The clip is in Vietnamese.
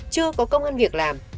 chưa có công an việc làm